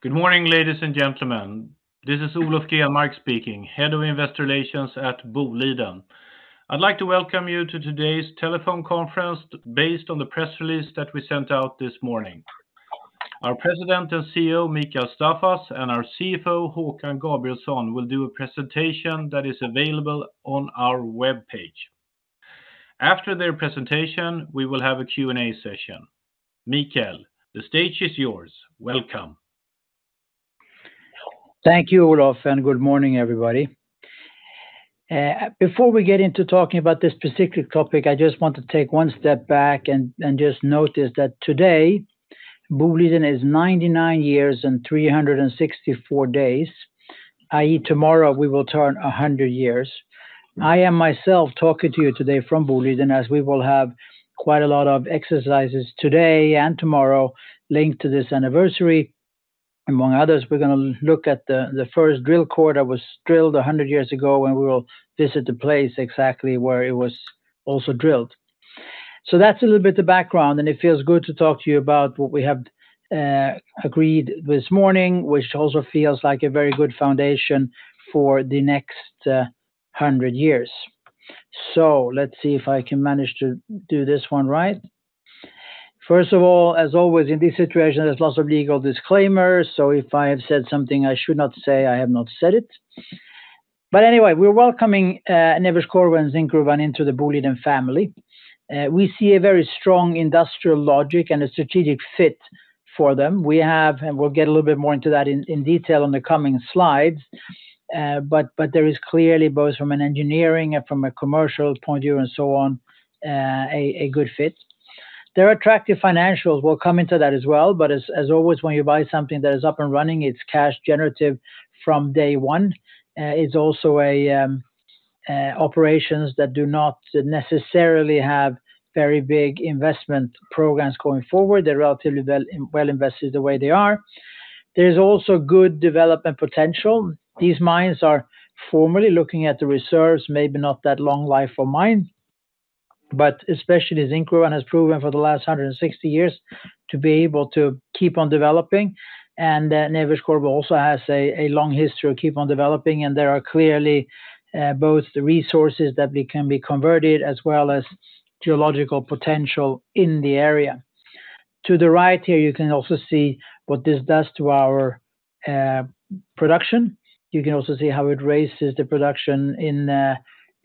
Good morning, ladies and gentlemen. This is Olof Grenmark speaking, Head of Investor Relations at Boliden. I'd like to welcome you to today's telephone conference based on the press release that we sent out this morning. Our President and CEO, Mikael Staffas, and our CFO, Håkan Gabrielsson, will do a presentation that is available on our webpage. After their presentation, we will have a Q&A session. Mikael, the stage is yours. Welcome. Thank you, Olof, and good morning, everybody. Before we get into talking about this particular topic, I just want to take one step back and just notice that today, Boliden is 99 years and 364 days, i.e., tomorrow we will turn 100 years. I am myself talking to you today from Boliden, as we will have quite a lot of exercises today and tomorrow linked to this anniversary. Among others, we're going to look at the first drill core that was drilled 100 years ago, and we will visit the place exactly where it was also drilled. So that's a little bit of background, and it feels good to talk to you about what we have agreed this morning, which also feels like a very good foundation for the next 100 years. So let's see if I can manage to do this one right. First of all, as always, in this situation, there's lots of legal disclaimers, so if I have said something I should not say, I have not said it. But anyway, we're welcoming Neves-Corvo and Zinkgruvan into the Boliden family. We see a very strong industrial logic and a strategic fit for them. We have, and we'll get a little bit more into that in detail on the coming slides, but there is clearly, both from an engineering and from a commercial point of view and so on, a good fit. Their attractive financials will come into that as well, but as always, when you buy something that is up and running, it's cash generative from day one. It's also operations that do not necessarily have very big investment programs going forward. They're relatively well invested the way they are. There's also good development potential. These mines are formerly looking at the reserves, maybe not that long life for mines, but especially Zinkgruvan has proven for the last 160 years to be able to keep on developing, and Neves-Corvo also has a long history of keep on developing, and there are clearly both the resources that can be converted as well as geological potential in the area. To the right here, you can also see what this does to our production. You can also see how it raises the production in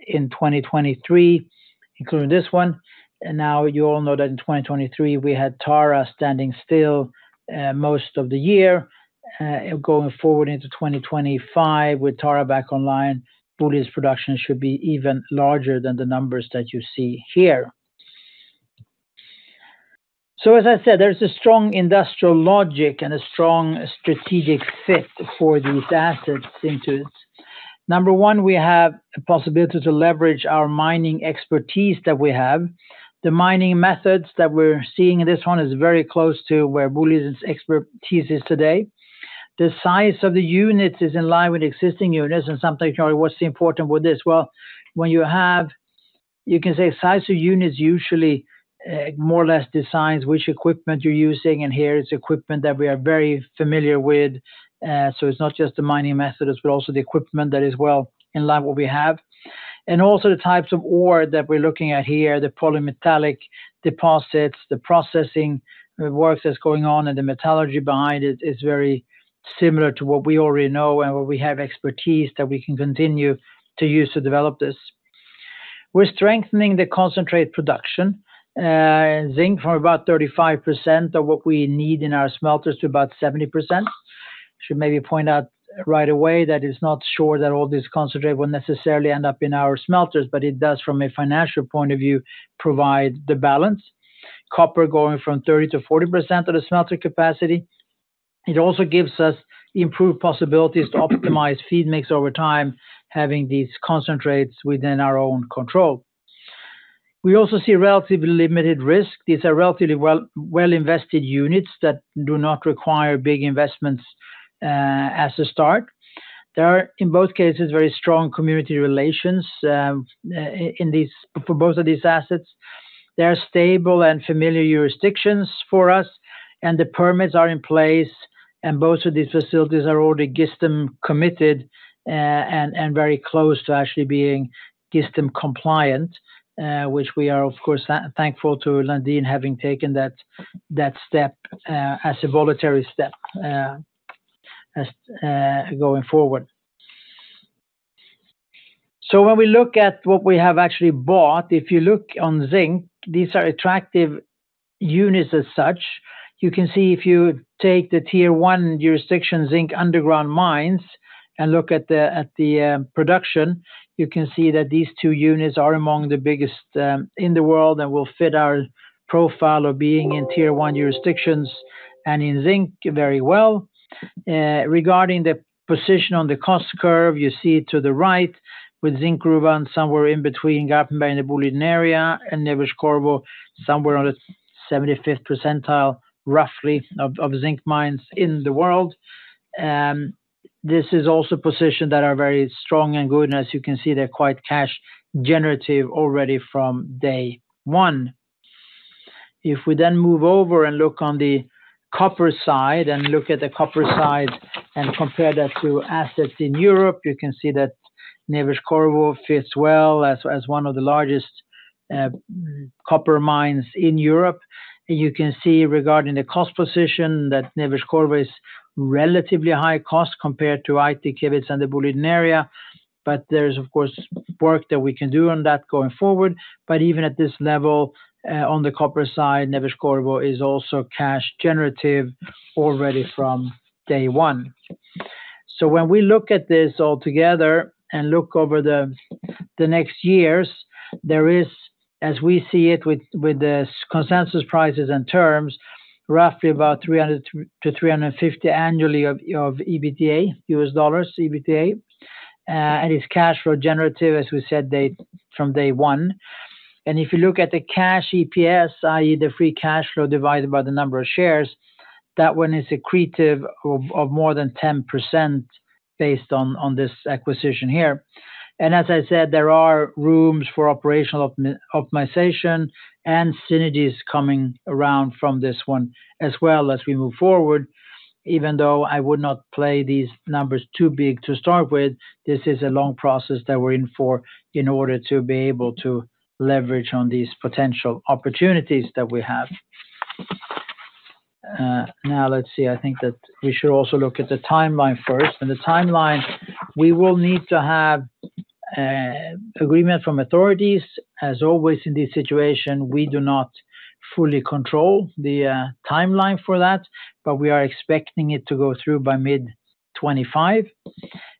2023, including this one, and now you all know that in 2023, we had Tara standing still most of the year. Going forward into 2025, with Tara back online, Boliden's production should be even larger than the numbers that you see here, so as I said, there's a strong industrial logic and a strong strategic fit for these assets into it. Number one, we have a possibility to leverage our mining expertise that we have. The mining methods that we're seeing in this one are very close to where Boliden's expertise is today. The size of the units is in line with existing units. And sometimes you're like, what's the important with this? Well, when you have, you can say size of units usually more or less decides which equipment you're using. And here is equipment that we are very familiar with. So it's not just the mining methods, but also the equipment that is well in line with what we have. And also the types of ore that we're looking at here, the polymetallic deposits, the processing works that's going on, and the metallurgy behind it is very similar to what we already know and what we have expertise that we can continue to use to develop this. We're strengthening the concentrate production. Zinc, from about 35% of what we need in our smelters to about 70%. I should maybe point out right away that it's not sure that all this concentrate will necessarily end up in our smelters, but it does, from a financial point of view, provide the balance. Copper going from 30% to 40% of the smelter capacity. It also gives us improved possibilities to optimize feed mix over time, having these concentrates within our own control. We also see relatively limited risk. These are relatively well-invested units that do not require big investments as a start. There are, in both cases, very strong community relations for both of these assets. They are stable and familiar jurisdictions for us, and the permits are in place, and both of these facilities are already GISTM-committed and very close to actually being GISTM-compliant, which we are, of course, thankful to Lundin having taken that step as a voluntary step going forward. So when we look at what we have actually bought, if you look on zinc, these are attractive units as such. You can see if you take the tier one jurisdiction, zinc underground mines, and look at the production, you can see that these two units are among the biggest in the world and will fit our profile of being in tier one jurisdictions and in zinc very well. Regarding the position on the cost curve, you see to the right with Zinkgruvan somewhere in between Garpenberg in the Boliden Area and Neves-Corvo somewhere on the 75th percentile, roughly, of zinc mines in the world. This is also positions that are very strong and good, and as you can see, they're quite cash generative already from day one. If we then move over and look on the copper side and look at the copper side and compare that to assets in Europe, you can see that Neves-Corvo fits well as one of the largest copper mines in Europe. You can see regarding the cost position that Neves-Corvo is relatively high cost compared to Aitik and the Boliden Area, but there's, of course, work that we can do on that going forward. But even at this level on the copper side, Neves-Corvo is also cash generative already from day one. So when we look at this all together and look over the next years, there is, as we see it with the consensus prices and terms, roughly about $300 million-$350 million annually of EBITDA in U.S. dollars, EBITDA, and it's cash flow generative, as we said, from day one. And if you look at the cash EPS, i.e., the free cash flow divided by the number of shares, that one is accretive of more than 10% based on this acquisition here. And as I said, there are rooms for operational optimization and synergies coming around from this one as well as we move forward. Even though I would not play these numbers too big to start with, this is a long process that we're in for in order to be able to leverage on these potential opportunities that we have. Now, let's see. I think that we should also look at the timeline first. In the timeline, we will need to have agreement from authorities. As always in this situation, we do not fully control the timeline for that, but we are expecting it to go through by mid-2025,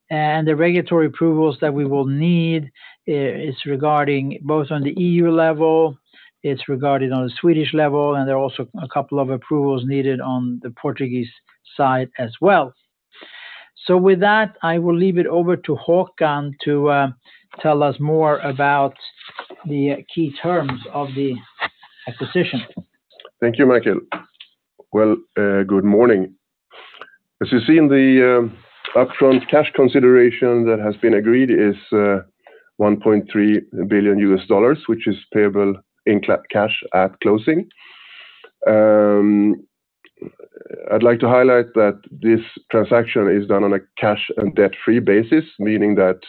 and the regulatory approvals that we will need is regarding both on the EU level, it's regarding on the Swedish level, and there are also a couple of approvals needed on the Portuguese side as well, so with that, I will leave it over to Håkan to tell us more about the key terms of the acquisition. Thank you, Mikael. Good morning. As you see, the upfront cash consideration that has been agreed is $1.3 billion, which is payable in cash at closing. I'd like to highlight that this transaction is done on a cash and debt-free basis, meaning that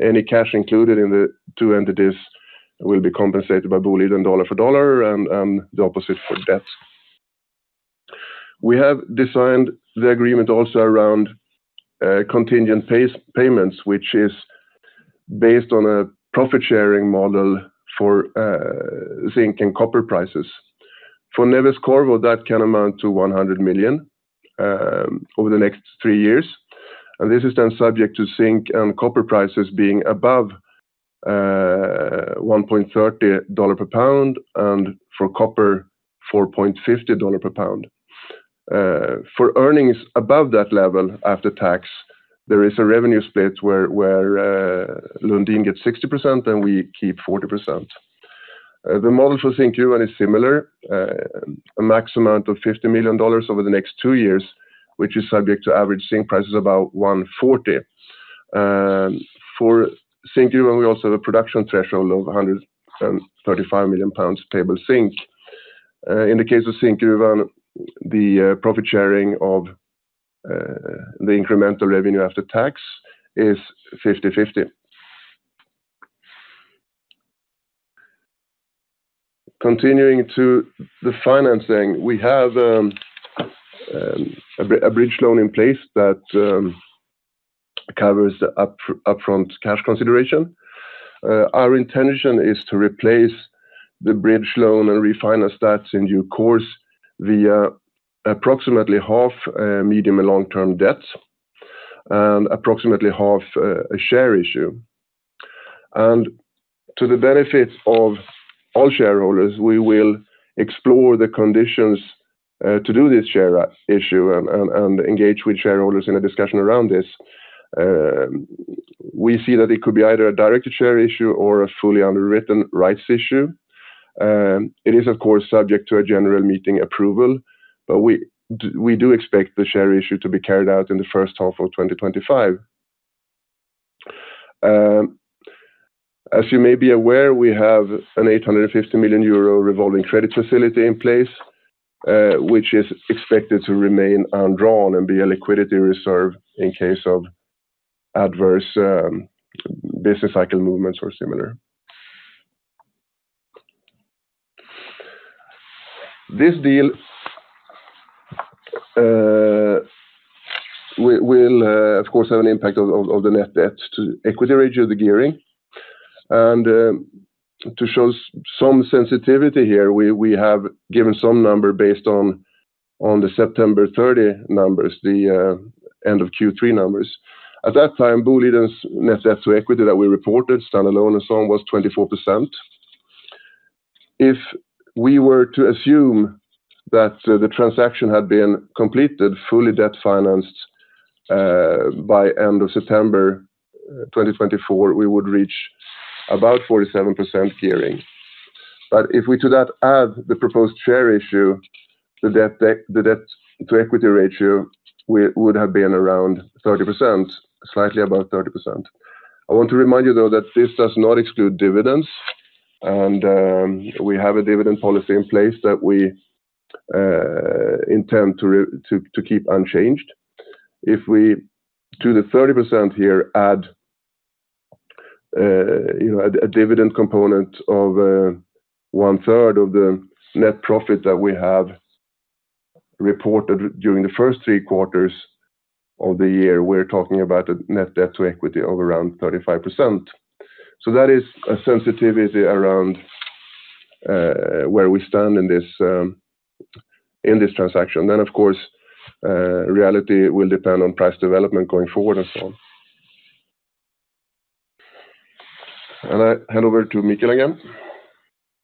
any cash included in the two entities will be compensated by Boliden dollar for dollar and the opposite for debt. We have designed the agreement also around contingent payments, which is based on a profit-sharing model for zinc and copper prices. For Neves-Corvo, that can amount to $100 million over the next three years, and this is then subject to zinc and copper prices being above $1.30 per pound and for copper, $4.50 per pound. For earnings above that level after tax, there is a revenue split where Lundin gets 60% and we keep 40%. The model for Zinkgruvan is similar, a max amount of $50 million over the next two years, which is subject to average zinc prices about $1.40 per pound. For Zinkgruvan, we also have a production threshold of 135 million pounds payable zinc. In the case of Zinkgruvan, the profit sharing of the incremental revenue after tax is 50/50. Continuing to the financing, we have a bridge loan in place that covers the upfront cash consideration. Our intention is to replace the bridge loan and refinance that in due course via approximately half medium and long-term debts and approximately half a share issue, and to the benefit of all shareholders, we will explore the conditions to do this share issue and engage with shareholders in a discussion around this. We see that it could be either a directed share issue or a fully underwritten rights issue. It is, of course, subject to a general meeting approval, but we do expect the share issue to be carried out in the first half of 2025. As you may be aware, we have an 850 million euro revolving credit facility in place, which is expected to remain undrawn and be a liquidity reserve in case of adverse business cycle movements or similar. This deal will, of course, have an impact on the net debt to equity ratio of the gearing, and to show some sensitivity here, we have given some number based on the September 30 numbers, the end of Q3 numbers. At that time, Boliden's net debt to equity that we reported, standalone and so on, was 24%. If we were to assume that the transaction had been completed, fully debt financed by end of September 2024, we would reach about 47% gearing. But if we to that add the proposed share issue, the debt-to-equity ratio would have been around 30%, slightly above 30%. I want to remind you, though, that this does not exclude dividends, and we have a dividend policy in place that we intend to keep unchanged. If we to the 30% here add a dividend component of one-third of the net profit that we have reported during the first three quarters of the year, we're talking about a net debt to equity of around 35%. So that is a sensitivity around where we stand in this transaction. Then, of course, reality will depend on price development going forward and so on. And I hand over to Mikael again.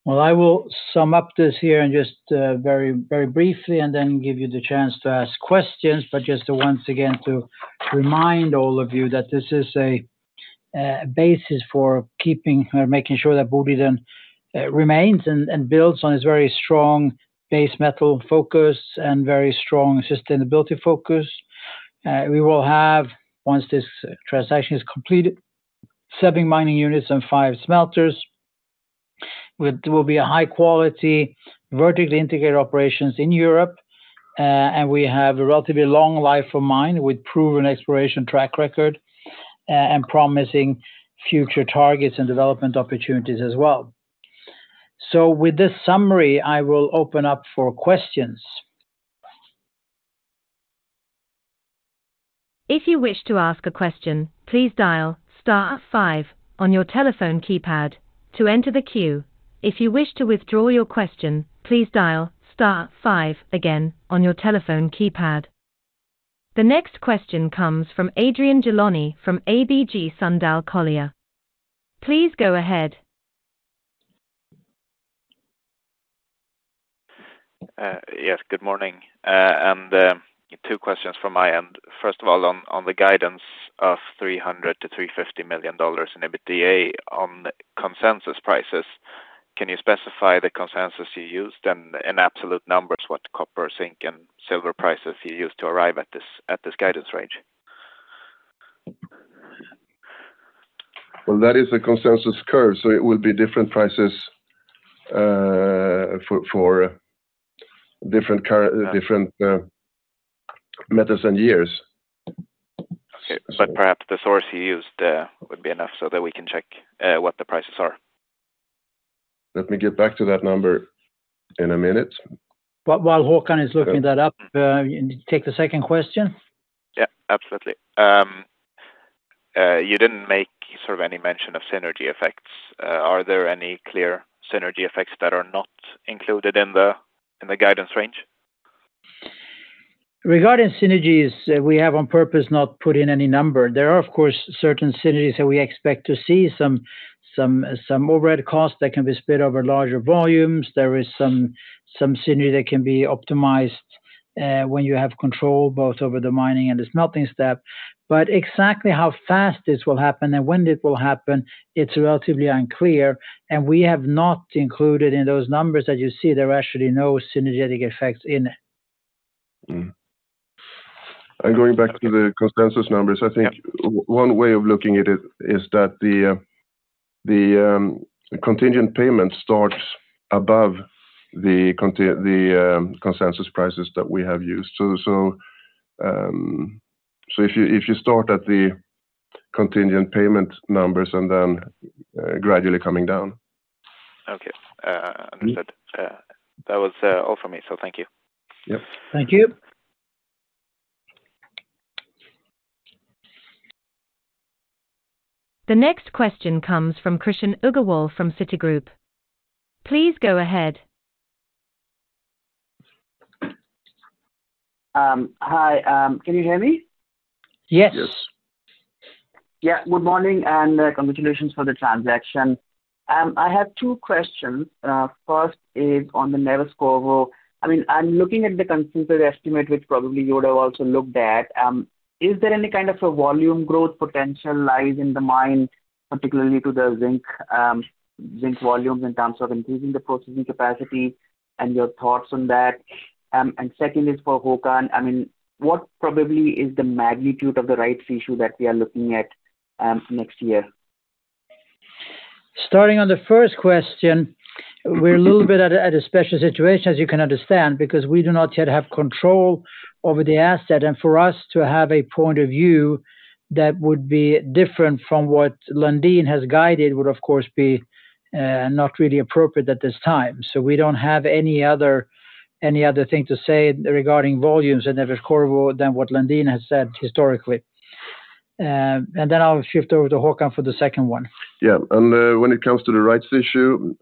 I will sum up this here and just very briefly and then give you the chance to ask questions, but just once again to remind all of you that this is a basis for keeping or making sure that Boliden remains and builds on its very strong base metal focus and very strong sustainability focus. We will have, once this transaction is completed, seven mining units and five smelters. There will be high-quality vertically integrated operations in Europe, and we have a relatively long life of mine with proven exploration track record and promising future targets and development opportunities as well. With this summary, I will open up for questions. If you wish to ask a question, please dial star five on your telephone keypad to enter the queue. If you wish to withdraw your question, please dial star five again on your telephone keypad. The next question comes from Adrian Gilani from ABG Sundal Collier. Please go ahead. Yes, good morning, and two questions from my end. First of all, on the guidance of $300 million-$350 million in EBITDA on consensus prices, can you specify the consensus you used and in absolute numbers what copper, zinc, and silver prices you used to arrive at this guidance range? That is a consensus curve, so it will be different prices for different metals and years. Okay. But perhaps the source you used would be enough so that we can check what the prices are. Let me get back to that number in a minute. While Håkan is looking that up, take the second question. Yeah, absolutely. You didn't make sort of any mention of synergy effects. Are there any clear synergy effects that are not included in the guidance range? Regarding synergies, we have on purpose not put in any number. There are, of course, certain synergies that we expect to see, some overhead costs that can be split over larger volumes. There is some synergy that can be optimized when you have control both over the mining and the smelting step. But exactly how fast this will happen and when it will happen, it's relatively unclear, and we have not included in those numbers that you see there are actually no synergetic effects in it. And going back to the consensus numbers, I think one way of looking at it is that the contingent payment starts above the consensus prices that we have used. So if you start at the contingent payment numbers and then gradually coming down. Okay. Understood. That was all for me, so thank you. Yep. Thank you. The next question comes from Krishan Agarwal from Citigroup. Please go ahead. Hi. Can you hear me? Yes. Yes. Yeah. Good morning and congratulations for the transaction. I have two questions. First is on the Neves-Corvo. I mean, I'm looking at the consensus estimate, which probably you would have also looked at. Is there any kind of a volume growth potential lies in the mine, particularly to the zinc volumes in terms of increasing the processing capacity and your thoughts on that? And second is for Håkan, I mean, what probably is the magnitude of the rights issue that we are looking at next year? Starting on the first question, we're a little bit at a special situation, as you can understand, because we do not yet have control over the asset. And for us to have a point of view that would be different from what Lundin has guided would, of course, be not really appropriate at this time. So we don't have any other thing to say regarding volumes in Neves-Corvo than what Lundin has said historically. And then I'll shift over to Håkan for the second one. Yeah, and when it comes to the rights issue,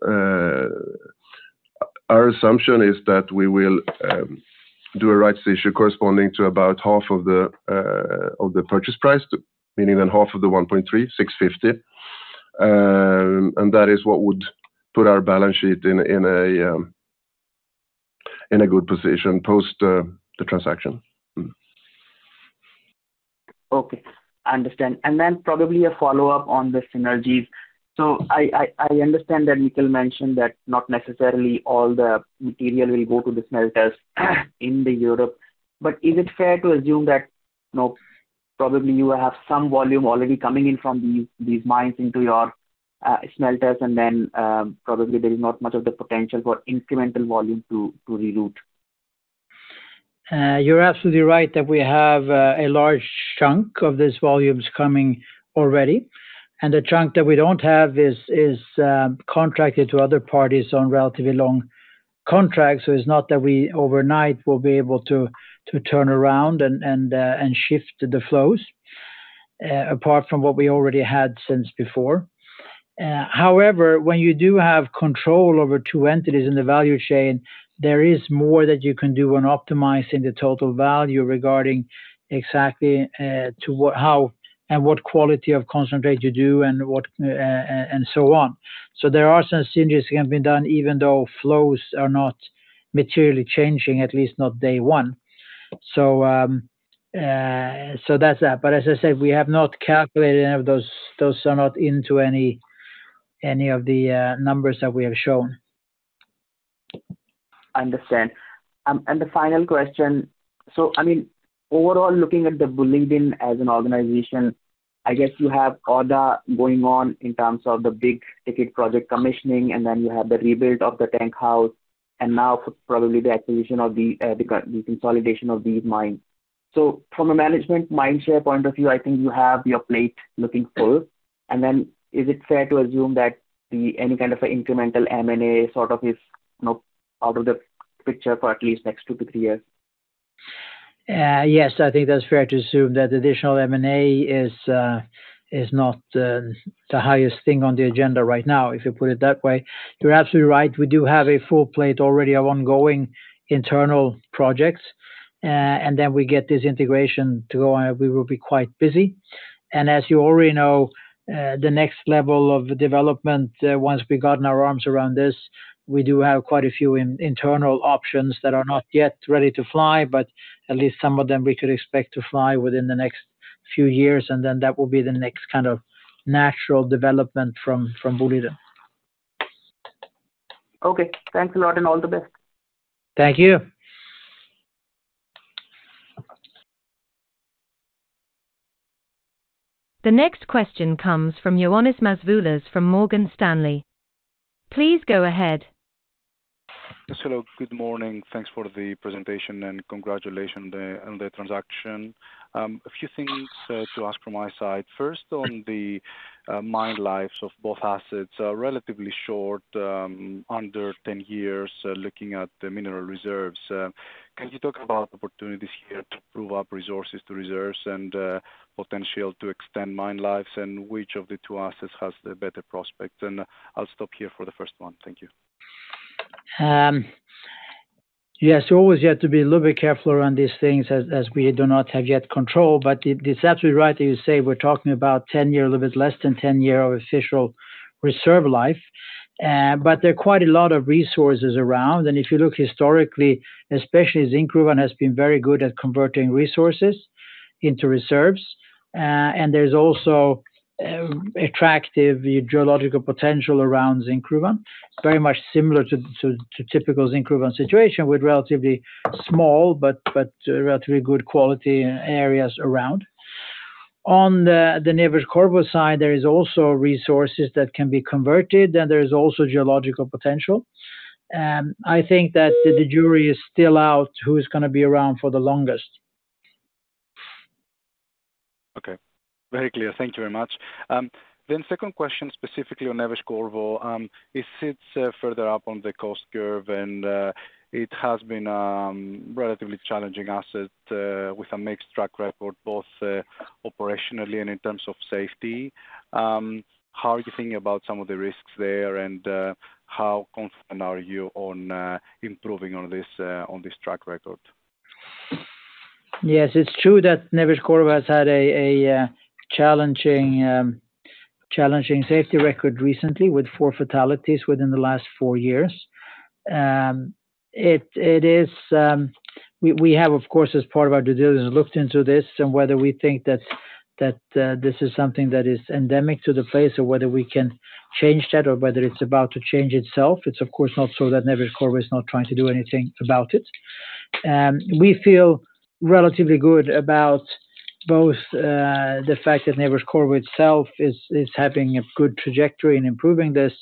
our assumption is that we will do a rights issue corresponding to about half of the purchase price, meaning then half of the $1.3 billion, $650 million. And that is what would put our balance sheet in a good position post the transaction. Okay. I understand. And then probably a follow-up on the synergies. So I understand that Mikael mentioned that not necessarily all the material will go to the smelters in Europe. But is it fair to assume that, no, probably you will have some volume already coming in from these mines into your smelters, and then probably there is not much of the potential for incremental volume to reroute? You're absolutely right that we have a large chunk of these volumes coming already. And the chunk that we don't have is contracted to other parties on relatively long contracts. So it's not that we overnight will be able to turn around and shift the flows apart from what we already had since before. However, when you do have control over two entities in the value chain, there is more that you can do on optimizing the total value regarding exactly how and what quality of concentrate you do and so on. So there are some synergies that have been done, even though flows are not materially changing, at least not day one. So that's that. But as I said, we have not calculated any of those. Those are not into any of the numbers that we have shown. I understand. And the final question. So I mean, overall, looking at the Boliden as an organization, I guess you have other going on in terms of the big ticket project commissioning, and then you have the rebuild of the tank house, and now probably the acquisition of the consolidation of these mines. So from a management mindshare point of view, I think you have your plate looking full. And then is it fair to assume that any kind of incremental M&A sort of is out of the picture for at least next two to three years? Yes, I think that's fair to assume that the additional M&A is not the highest thing on the agenda right now, if you put it that way. You're absolutely right. We do have a full plate already of ongoing internal projects, and then we get this integration to go on, we will be quite busy, and as you already know, the next level of development, once we've gotten our arms around this, we do have quite a few internal options that are not yet ready to fly, but at least some of them we could expect to fly within the next few years, and then that will be the next kind of natural development from Boliden. Okay. Thanks a lot and all the best. Thank you. The next question comes from Ioannis Masvoulas from Morgan Stanley. Please go ahead. Hello. Good morning. Thanks for the presentation and congratulations on the transaction. A few things to ask from my side. First, on the mine lives of both assets, relatively short, under 10 years, looking at the mineral reserves. Can you talk about opportunities here to prove up resources to reserves and potential to extend mine lives and which of the two assets has the better prospects? And I'll stop here for the first one. Thank you. Yes. We always have to be a little bit careful around these things as we do not have yet control. But it's absolutely right that you say we're talking about 10-year, a little bit less than 10-year of official reserve life. But there are quite a lot of resources around. And if you look historically, especially Zinkgruvan has been very good at converting resources into reserves. And there's also attractive geological potential around Zinkgruvan, very much similar to typical Zinkgruvan situation with relatively small but relatively good quality areas around. On the Neves-Corvo side, there are also resources that can be converted, and there is also geological potential. I think that the jury is still out who is going to be around for the longest. Okay. Very clear. Thank you very much. Then second question specifically on Neves-Corvo, it sits further up on the cost curve, and it has been a relatively challenging asset with a mixed track record, both operationally and in terms of safety. How are you thinking about some of the risks there and how confident are you on improving on this track record? Yes. It's true that Neves-Corvo has had a challenging safety record recently with four fatalities within the last four years. We have, of course, as part of our due diligence, looked into this and whether we think that this is something that is endemic to the place or whether we can change that or whether it's about to change itself. It's, of course, not so that Neves-Corvo is not trying to do anything about it. We feel relatively good about both the fact that Neves-Corvo itself is having a good trajectory in improving this,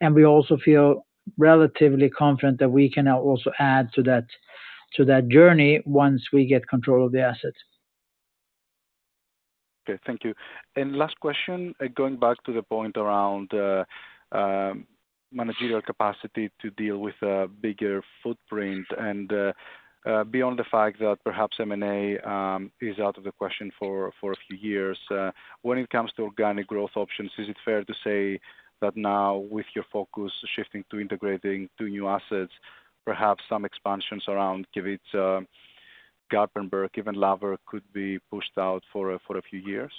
and we also feel relatively confident that we can also add to that journey once we get control of the asset. Okay. Thank you. And last question, going back to the point around managerial capacity to deal with a bigger footprint and beyond the fact that perhaps M&A is out of the question for a few years, when it comes to organic growth options, is it fair to say that now with your focus shifting to integrating two new assets, perhaps some expansions around Kevitsa, Garpenberg, even Laver could be pushed out for a few years?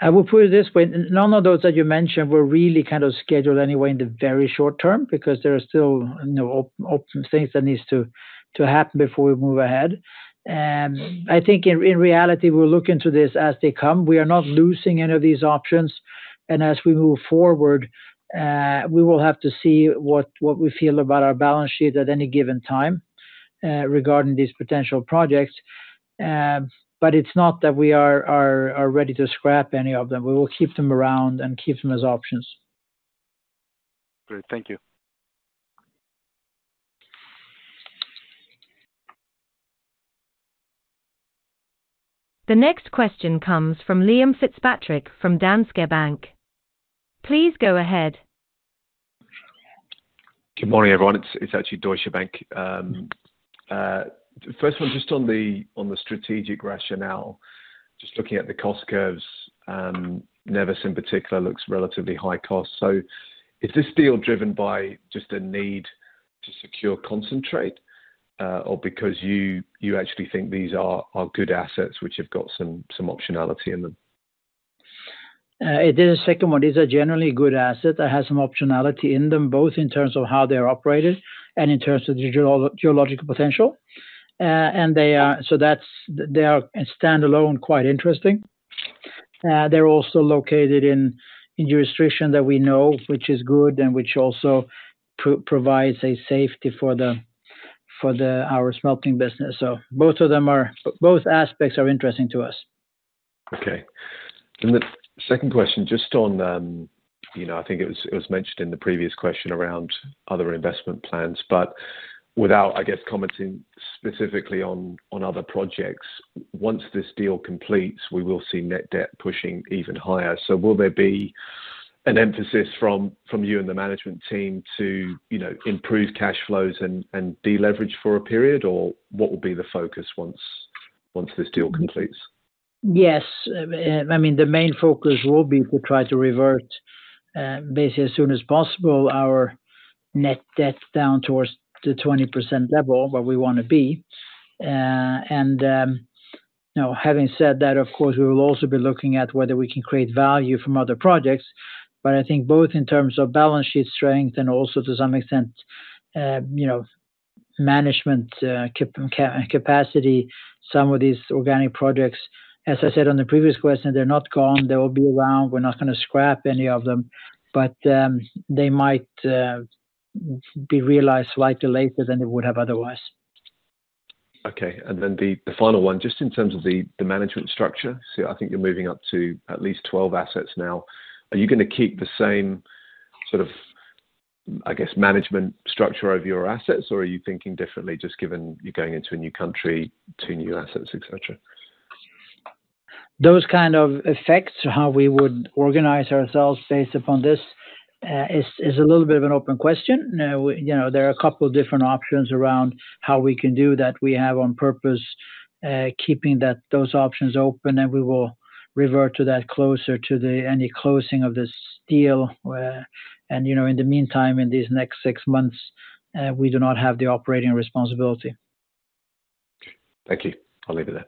I will put it this way. None of those that you mentioned were really kind of scheduled anyway in the very short term because there are still things that need to happen before we move ahead. I think in reality, we're looking to this as they come. We are not losing any of these options, and as we move forward, we will have to see what we feel about our balance sheet at any given time regarding these potential projects, but it's not that we are ready to scrap any of them. We will keep them around and keep them as options. Great. Thank you. The next question comes from Liam Fitzpatrick from Deutsche Bank. Please go ahead. Good morning, everyone. It's actually Deutsche Bank. First one, just on the strategic rationale, just looking at the cost curves, Neves-Corvo in particular looks relatively high cost. So is this deal driven by just a need to secure concentrate or because you actually think these are good assets which have got some optionality in them? It is a second one. These are generally good assets that have some optionality in them, both in terms of how they're operated and in terms of geological potential, and so they are standalone, quite interesting. They're also located in jurisdiction that we know, which is good and which also provides a safety for our smelting business, so both aspects are interesting to us. Okay. And the second question, just on I think it was mentioned in the previous question around other investment plans. But without, I guess, commenting specifically on other projects, once this deal completes, we will see net debt pushing even higher. So will there be an emphasis from you and the management team to improve cash flows and deleverage for a period, or what will be the focus once this deal completes? Yes. I mean, the main focus will be to try to revert basically as soon as possible our net debt down towards the 20% level where we want to be. And having said that, of course, we will also be looking at whether we can create value from other projects. But I think both in terms of balance sheet strength and also to some extent management capacity, some of these organic projects, as I said on the previous question, they're not gone. They will be around. We're not going to scrap any of them. But they might be realized slightly later than they would have otherwise. Okay. And then the final one, just in terms of the management structure. So I think you're moving up to at least 12 assets now. Are you going to keep the same sort of, I guess, management structure of your assets, or are you thinking differently just given you're going into a new country, two new assets, etc.? Those kind of effects, how we would organize ourselves based upon this, is a little bit of an open question. There are a couple of different options around how we can do that. We have on purpose keeping those options open, and we will revert to that closer to any closing of this deal. And in the meantime, in these next six months, we do not have the operating responsibility. Okay. Thank you. I'll leave it there.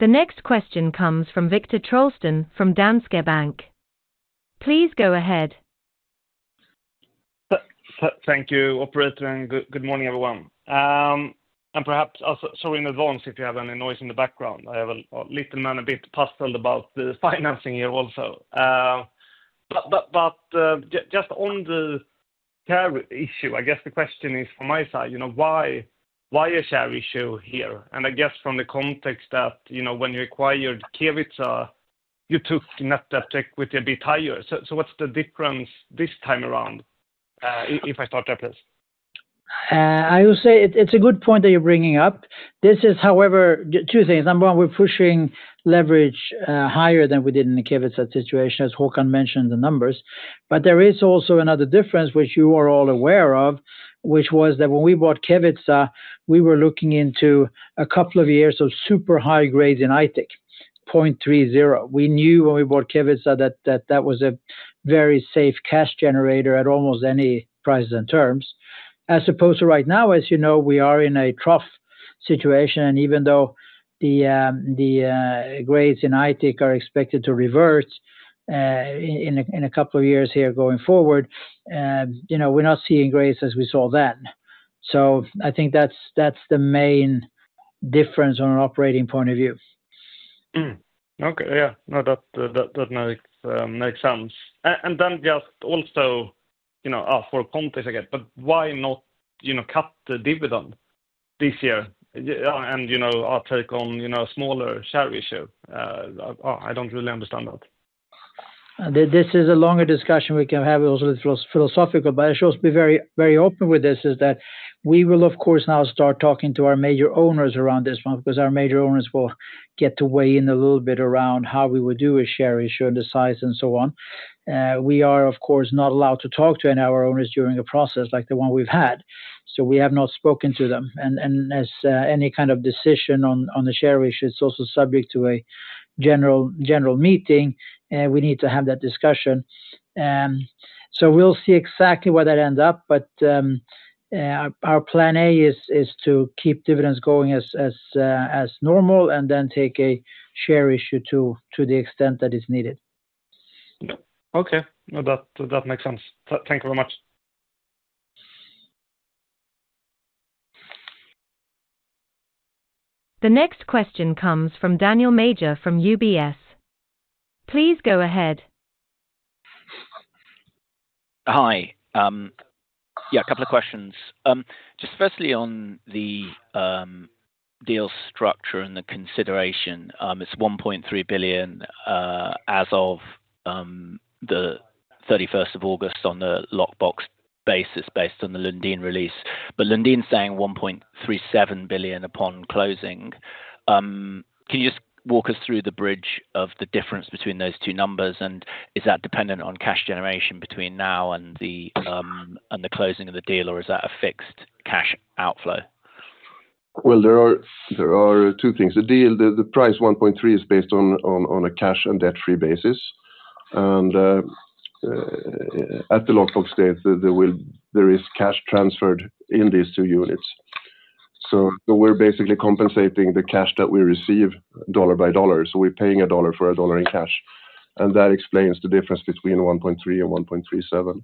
The next question comes from Viktor Trollsten from Danske Bank. Please go ahead. Thank you, Operator. And good morning, everyone. And perhaps I'll say sorry in advance if you have any noise in the background. I'm a little bit puzzled about the financing here also. But just on the share issue, I guess the question is from my side, why a share issue here? And I guess from the context that when you acquired Kevitsa, you took net debt to equity a bit higher. So what's the difference this time around? If I start there, please. I will say it's a good point that you're bringing up. This is, however, two things. Number one, we're pushing leverage higher than we did in the Kevitsa situation, as Håkan mentioned the numbers. But there is also another difference, which you are all aware of, which was that when we bought Kevitsa, we were looking into a couple of years of super high grades in Aitik, 0.30%. We knew when we bought Kevitsa that that was a very safe cash generator at almost any price and terms. As opposed to right now, as you know, we are in a trough situation, and even though the grades in Aitik are expected to revert in a couple of years here going forward, we're not seeing grades as we saw then, so I think that's the main difference on an operating point of view. Okay. Yeah. No, that makes sense. And then just also for context again, but why not cut the dividend this year and take on a smaller share issue? I don't really understand that. This is a longer discussion we can have. It's also philosophical. But I shall be very open with this is that we will, of course, now start talking to our major owners around this one because our major owners will get to weigh in a little bit around how we would do a share issue and the size and so on. We are, of course, not allowed to talk to any of our owners during a process like the one we've had. So we have not spoken to them. And as any kind of decision on the share issue, it's also subject to a general meeting. We need to have that discussion. So we'll see exactly where that ends up. But our plan A is to keep dividends going as normal and then take a share issue to the extent that it's needed. Okay. No, that makes sense. Thank you very much. The next question comes from Daniel Major from UBS. Please go ahead. Hi. Yeah, a couple of questions. Just firstly on the deal structure and the consideration, it's $1.3 billion as of the 31st of August on a locked box basis based on the Lundin release. But Lundin saying $1.37 billion upon closing. Can you just walk us through the bridge of the difference between those two numbers? And is that dependent on cash generation between now and the closing of the deal, or is that a fixed cash outflow? There are two things. The price $1.3 billion is based on a cash and debt-free basis. And at the lockbox date, there is cash transferred in these two units. So we're basically compensating the cash that we receive dollar by dollar. So we're paying a dollar for a dollar in cash. And that explains the difference between $1.3 billion and $1.37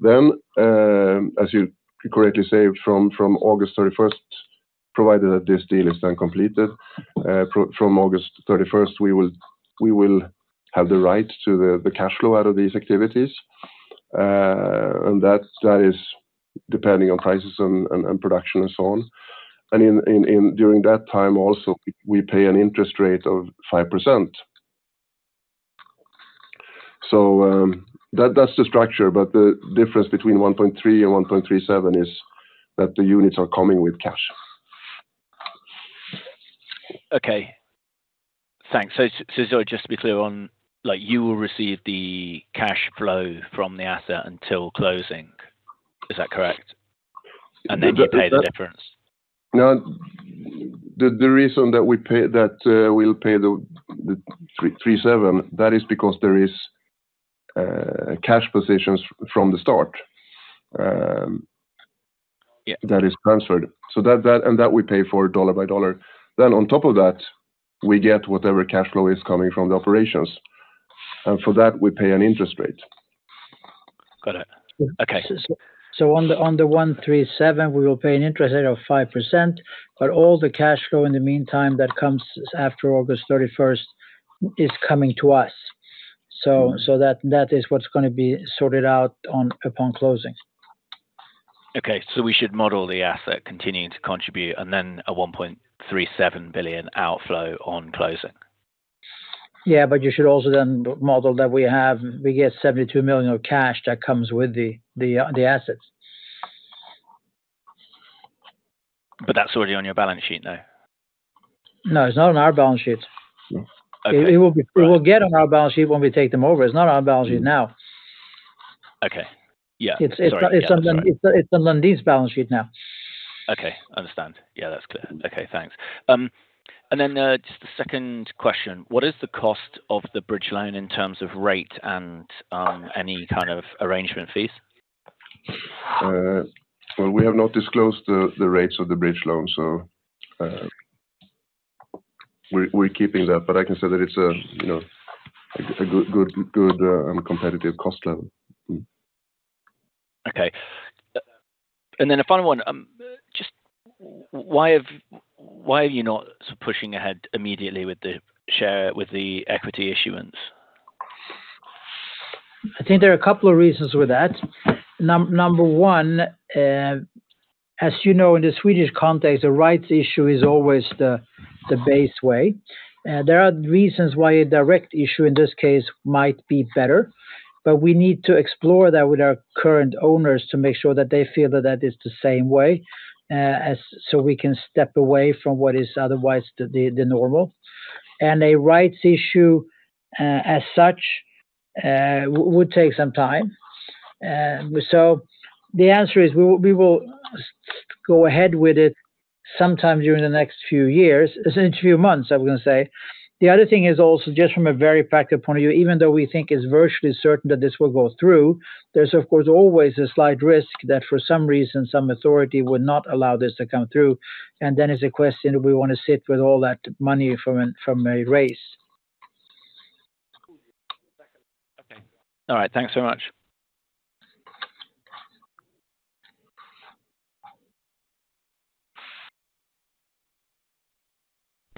billion. Then, as you correctly say, from August 31st, provided that this deal is then completed, from August 31st, we will have the right to the cash flow out of these activities. And that is depending on prices and production and so on. And during that time also, we pay an interest rate of 5%. So that's the structure. But the difference between $1.3 billion and 1.37 billion is that the units are coming with cash. Okay. Thanks, so just to be clear on, you will receive the cash flow from the asset until closing. Is that correct? And then you pay the difference? No. The reason that we'll pay the $1.37 billion, that is because there are cash positions from the start that are transferred, and that we pay for dollar-by-dollar. Then on top of that, we get whatever cash flow is coming from the operations, and for that, we pay an interest rate. Got it. Okay. On the $1.37 billion, we will pay an interest rate of 5%, but all the cash flow in the meantime that comes after August 31st is coming to us. That is what's going to be sorted out upon closing. Okay, so we should model the asset continuing to contribute and then a $1.37 billion outflow on closing. Yeah. But you should also then model that we get $72 million of cash that comes with the assets. But that's already on your balance sheet now? No, it's not on our balance sheet. It will get on our balance sheet when we take them over. It's not on our balance sheet now. Okay. Yeah. Sorry. It's on Lundin's balance sheet now. Okay. Understand. Yeah, that's clear. Okay. Thanks. And then just the second question. What is the cost of the bridge loan in terms of rate and any kind of arrangement fees? We have not disclosed the rates of the bridge loan, so we're keeping that. But I can say that it's a good and competitive cost level. Okay. And then a final one. Just why are you not pushing ahead immediately with the equity issuance? I think there are a couple of reasons with that. Number one, as you know, in the Swedish context, the rights issue is always the base way. There are reasons why a direct issue in this case might be better. But we need to explore that with our current owners to make sure that they feel that that is the same way so we can step away from what is otherwise the normal. And a rights issue as such would take some time. So the answer is we will go ahead with it sometime during the next few years, in a few months, I was going to say. The other thing is also just from a very practical point of view, even though we think it's virtually certain that this will go through, there's, of course, always a slight risk that for some reason, some authority would not allow this to come through, and then it's a question if we want to sit with all that money from a rights issue. Okay. All right. Thanks very much.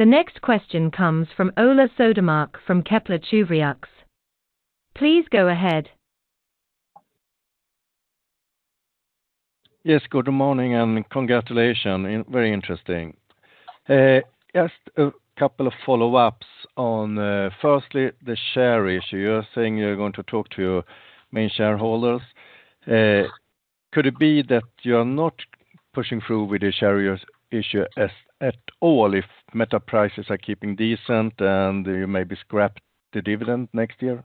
The next question comes from Ola Södermark from Kepler Cheuvreux. Please go ahead. Yes. Good morning and congratulations. Very interesting. Just a couple of follow-ups on, firstly, the share issue. You're saying you're going to talk to your main shareholders. Could it be that you are not pushing through with the share issue at all if metal prices are keeping decent and you maybe scrap the dividend next year?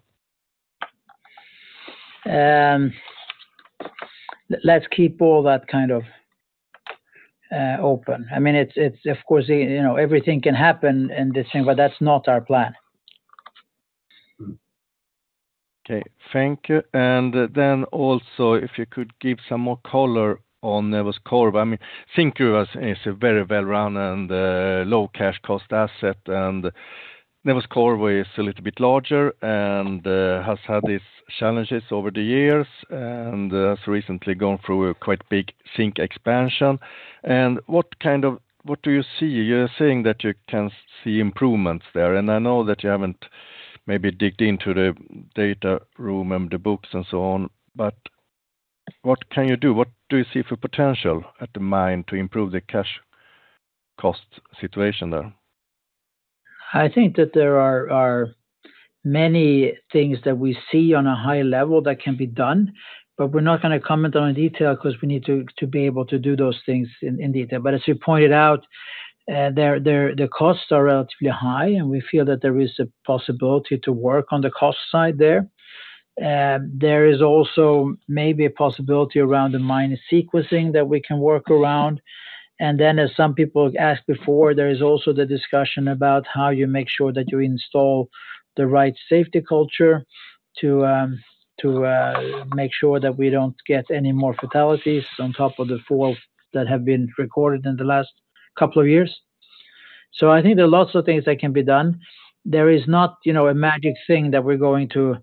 Let's keep all that kind of open. I mean, of course, everything can happen in this thing, but that's not our plan. Okay. Thank you. And then also, if you could give some more color on Neves-Corvo. I mean, Zinkgruvan is a very well-run and low cash cost asset. And Neves-Corvo is a little bit larger and has had its challenges over the years and has recently gone through a quite big zinc expansion. And what do you see? You're saying that you can see improvements there. And I know that you haven't maybe dug into the data room and the books and so on. But what can you do? What do you see for potential at the mine to improve the cash cost situation there? I think that there are many things that we see on a high level that can be done. But we're not going to comment on detail because we need to be able to do those things in detail. But as you pointed out, the costs are relatively high, and we feel that there is a possibility to work on the cost side there. There is also maybe a possibility around the mining sequencing that we can work around. And then, as some people asked before, there is also the discussion about how you make sure that you install the right safety culture to make sure that we don't get any more fatalities on top of the four that have been recorded in the last couple of years. So I think there are lots of things that can be done. There is not a magic thing that we're going to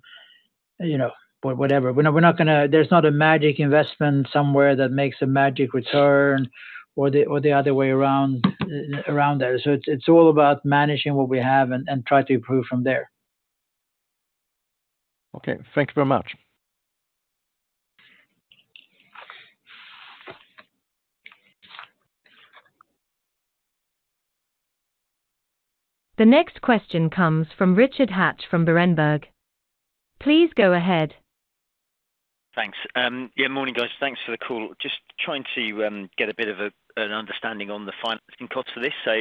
whatever. We're not going to. There's not a magic investment somewhere that makes a magic return or the other way around there. So it's all about managing what we have and try to improve from there. Okay. Thank you very much. The next question comes from Richard Hatch from Berenberg. Please go ahead. Thanks. Yeah, morning, guys. Thanks for the call. Just trying to get a bit of an understanding on the financing cost for this. So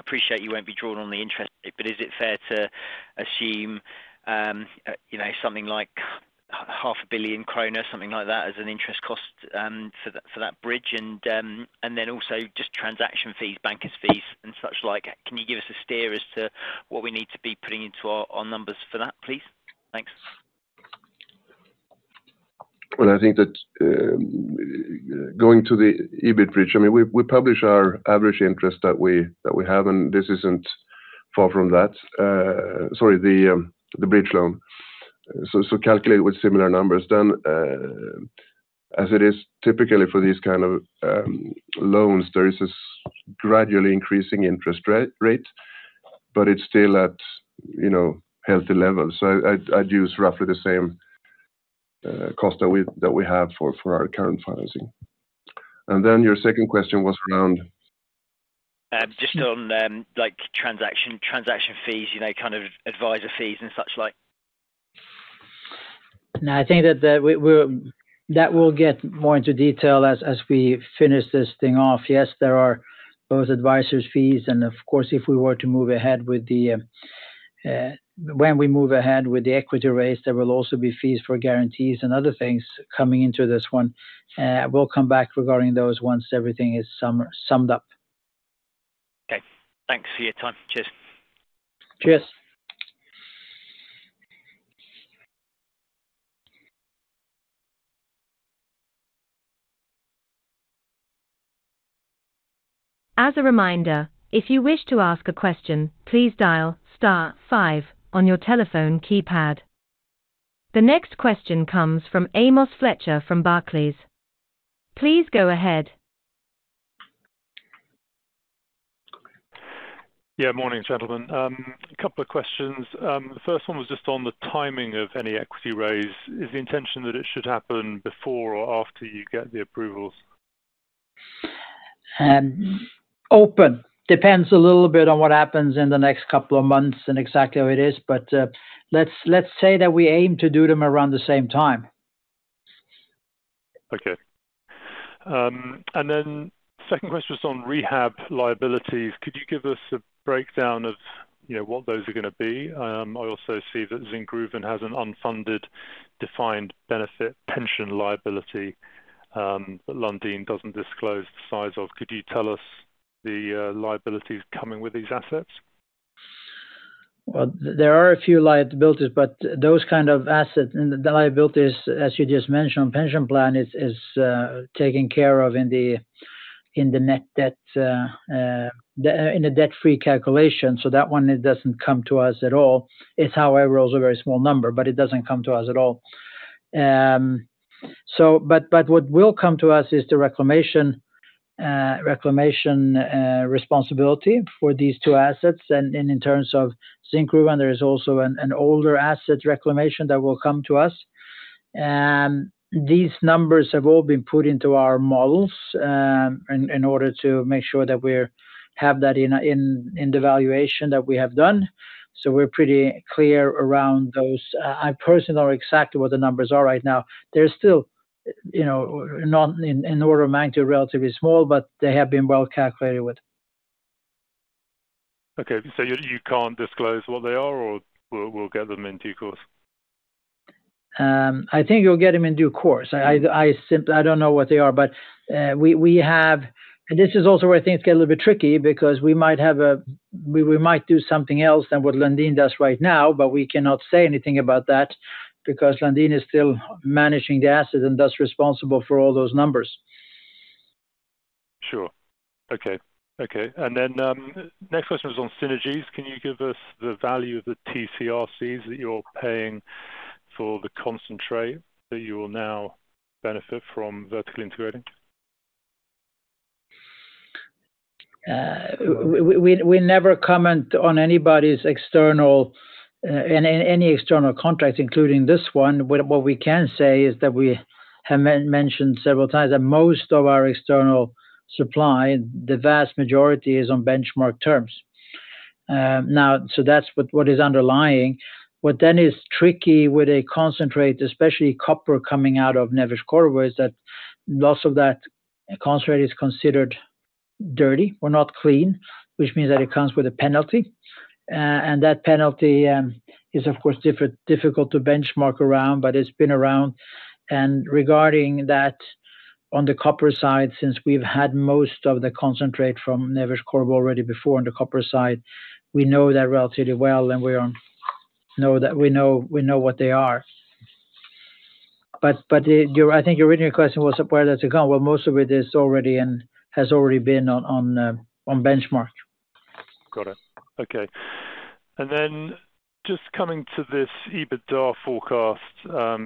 appreciate you won't be drawn on the interest rate. But is it fair to assume something like 500 million kronor, something like that, as an interest cost for that bridge? And then also just transaction fees, bankers' fees, and such like. Can you give us a steer as to what we need to be putting into our numbers for that, please? Thanks. I think that going to the EBIT bridge, I mean, we publish our average interest that we have, and this isn't far from that. Sorry, the bridge loan. So calculate with similar numbers. Then, as it is typically for these kind of loans, there is a gradually increasing interest rate, but it's still at healthy levels. So I'd use roughly the same cost that we have for our current financing. And then your second question was around. Just on transaction fees, kind of advisor fees and such like? No, I think that we'll get more into detail as we finish this thing off. Yes, there are those advisors' fees. And of course, if we were to move ahead with the equity raise, there will also be fees for guarantees and other things coming into this one. We'll come back regarding those once everything is summed up. Okay. Thanks for your time. Cheers. Cheers. As a reminder, if you wish to ask a question, please dial star five on your telephone keypad. The next question comes from Amos Fletcher from Barclays. Please go ahead. Yeah. Morning, gentlemen. A couple of questions. The first one was just on the timing of any equity raise. Is the intention that it should happen before or after you get the approvals? Open. Depends a little bit on what happens in the next couple of months and exactly how it is. But let's say that we aim to do them around the same time. Okay. And then second question was on rehab liabilities. Could you give us a breakdown of what those are going to be? I also see that Zinkgruvan has an unfunded defined benefit pension liability that Lundin doesn't disclose the size of. Could you tell us the liabilities coming with these assets? There are a few liabilities, but those kind of assets, the liabilities, as you just mentioned, pension plan is taken care of in the net debt in the debt-free calculation. So that one doesn't come to us at all. It's, however, also a very small number, but it doesn't come to us at all. But what will come to us is the reclamation responsibility for these two assets. In terms of Zinkgruvan, there is also an older asset reclamation that will come to us. These numbers have all been put into our models in order to make sure that we have that in the valuation that we have done. So we're pretty clear around those. I personally don't know exactly what the numbers are right now. They're still, in order of magnitude, relatively small, but they have been well calculated with. Okay. So you can't disclose what they are, or we'll get them in due course? I think you'll get them in due course. I don't know what they are. But we have. This is also where things get a little bit tricky because we might do something else than what Lundin does right now, but we cannot say anything about that because Lundin is still managing the asset and thus responsible for all those numbers. Sure. Okay. And then next question was on synergies. Can you give us the value of the TC/RCs that you're paying for the concentrate that you will now benefit from vertical integrating? We never comment on anybody's external and any external contracts, including this one. What we can say is that we have mentioned several times that most of our external supply, the vast majority, is on benchmark terms. Now, so that's what is underlying. What then is tricky with a concentrate, especially copper coming out of Neves-Corvo, is that lots of that concentrate is considered dirty or not clean, which means that it comes with a penalty, and that penalty is, of course, difficult to benchmark around, but it's been around, and regarding that on the copper side, since we've had most of the concentrate from Neves-Corvo already before on the copper side, we know that relatively well, and we know what they are, but I think your original question was, where does it go? Well, most of it is already and has already been on benchmark. Got it. Okay, and then just coming to this EBITDA forecast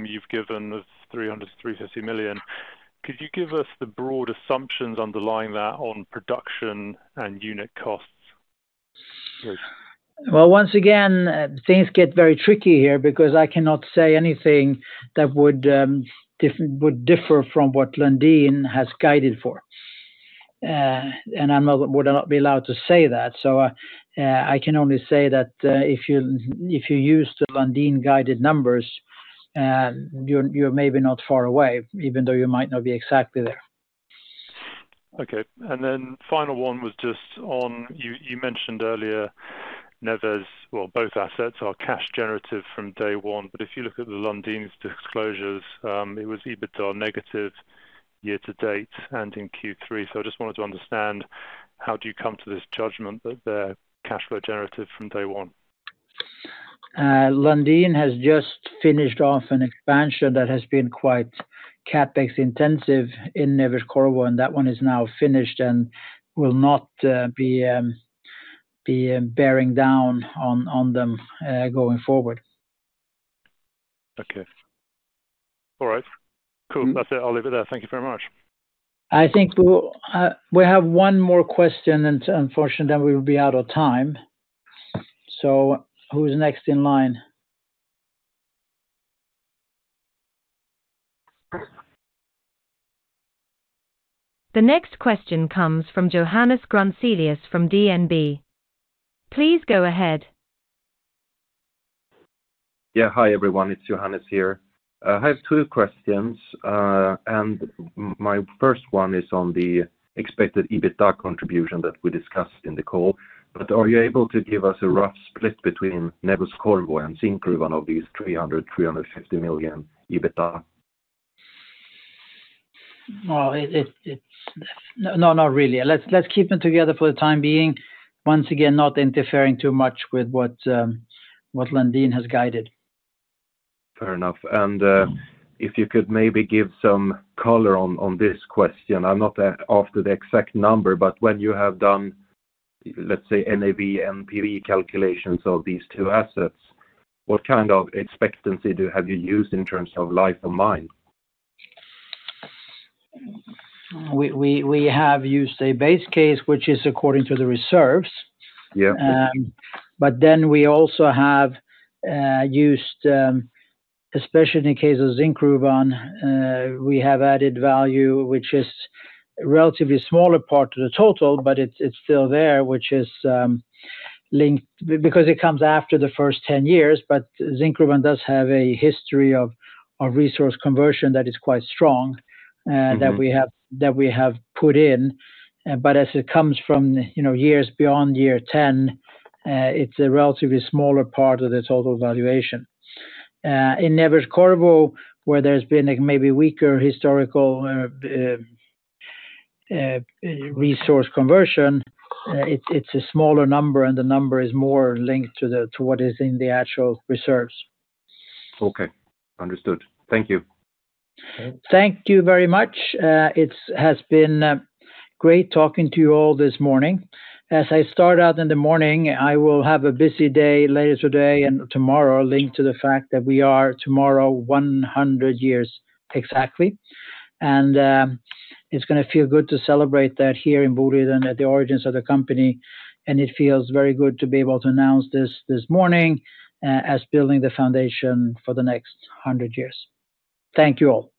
you've given of $350 million, could you give us the broad assumptions underlying that on production and unit costs? Once again, things get very tricky here because I cannot say anything that would differ from what Lundin has guided for. I would not be allowed to say that. I can only say that if you use the Lundin-guided numbers, you're maybe not far away, even though you might not be exactly there. Okay. And then final one was just on you mentioned earlier Neves, well, both assets are cash generative from day one. But if you look at the Lundin's disclosures, it was EBITDA negative year-to-date and in Q3. So I just wanted to understand how do you come to this judgment that they're cash flow generative from day one? Lundin has just finished off an expansion that has been quite CapEx-intensive in Neves-Corvo, and that one is now finished and will not be bearing down on them going forward. Okay. All right. Cool. That's it. I'll leave it there. Thank you very much. I think we have one more question, and unfortunately, then we will be out of time. So who's next in line? The next question comes from Johannes Grunselius from DNB. Please go ahead. Yeah. Hi, everyone. It's Johannes here. I have two questions. And my first one is on the expected EBITDA contribution that we discussed in the call. But are you able to give us a rough split between Neves-Corvo and Zinkgruvan of these $300 million-$350 million EBITDA? Not really. Let's keep them together for the time being. Once again, not interfering too much with what Lundin has guided. Fair enough, and if you could maybe give some color on this question. I'm not after the exact number, but when you have done, let's say, NAV, NPV calculations of these two assets, what kind of expectancy have you used in terms of life of mine? We have used a base case, which is according to the reserves. But then we also have used, especially in the case of Zinkgruvan, we have added value, which is a relatively smaller part of the total, but it's still there, which is linked because it comes after the first 10 years. But Zinkgruvan does have a history of resource conversion that is quite strong that we have put in. But as it comes from years beyond year 10, it's a relatively smaller part of the total valuation. In Neves-Corvo, where there's been maybe weaker historical resource conversion, it's a smaller number, and the number is more linked to what is in the actual reserves. Okay. Understood. Thank you. Thank you very much. It has been great talking to you all this morning. As I start out in the morning, I will have a busy day later today and tomorrow linked to the fact that we are tomorrow 100 years exactly. And it's going to feel good to celebrate that here in Boliden and at the origins of the company. And it feels very good to be able to announce this morning as building the foundation for the next 100 years. Thank you all.